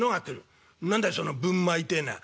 「何だいそのぶんまいてえのは」。